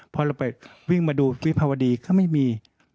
พอเราไปวิ่งมาดูวิภาวดีก็ไม่มี